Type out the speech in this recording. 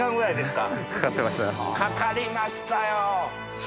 かかりましたよ！